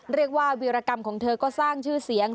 เรียกว่าวิรกรรมของเธอก็สร้างชื่อเสียง